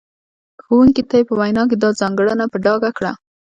ښوونکو ته یې په وینا کې دا ځانګړنه په ډاګه کړه.